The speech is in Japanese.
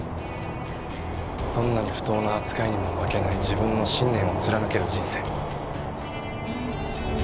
どんな不当な扱いにも負けない自分の信念を貫ける人生。